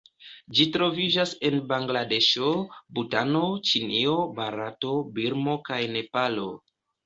Ĝi troviĝas en Bangladeŝo, Butano, Ĉinio, Barato, Birmo kaj Nepalo.